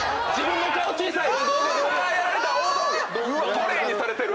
トレーにされてる！